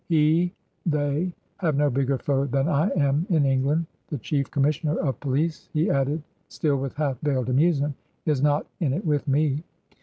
He — they — ^have no bigger foe than I am in England. The Chief Commissioner of Police," he added, still with half veiled amusement, " is not in it with me."